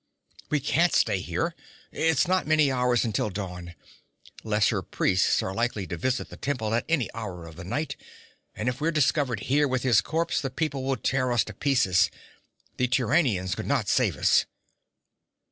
'We can't stay here. It's not many hours until dawn. Lesser priests are likely to visit the temple at any hour of the night, and if we're discovered here with his corpse, the people will tear us to pieces. The Turanians could not save us.'